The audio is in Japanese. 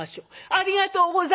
「ありがとうございます！」。